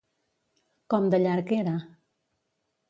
Com de llarg era?